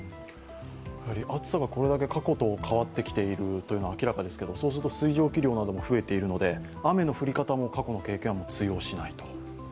暑さがこれだけ過去と変わってきているのは明らかですけどそうすると水蒸気量なども増えているので、雨の降り方も過去とは通用しないと。